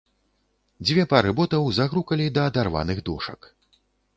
Дзве пары ботаў загрукалі да адарваных дошак.